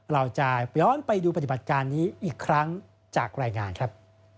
เราจะย้อนไปดูปฏิบัติการนี้อีกครั้งจากรายงานครับ